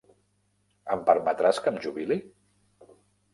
Hem permetràs que em jubili?